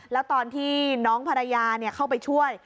แล้วตอนที่น้องภรรยาเข้าไปช่วย